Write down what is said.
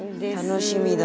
楽しみだな。